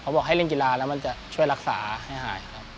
บอกให้เล่นกีฬาแล้วมันจะช่วยรักษาให้หายครับ